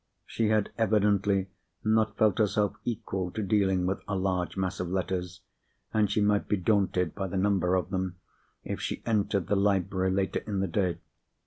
She had evidently not felt herself equal to dealing with a large mass of letters—and she might be daunted by the number of them, if she entered the library later in the day.